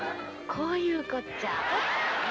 こういうこっちゃ。